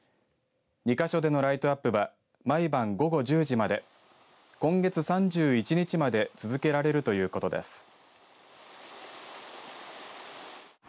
２か所でのライトアップは毎晩午後１０時まで今月３１日まで続けられるということです。